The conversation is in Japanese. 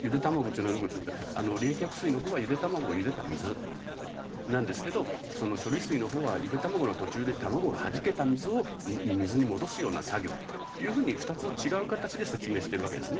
ゆで卵っていうのはどういう事かというと冷却水のほうはゆで卵をゆでた水なんですけど処理水のほうはゆで卵の途中で卵がはじけた水を水に戻すような作業という風に２つ違う形で説明してるわけですね。